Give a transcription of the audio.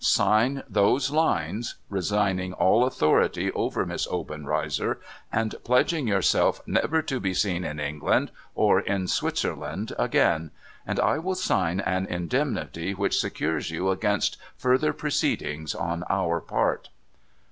Sign those lines, resigning all authority over Miss Obenreizer, and pledging yourself never to be seen in England or in Switzerland 568 NO THOROUGHFARE again; and I will sign an indemnity which secures you against further proceedings on our part.'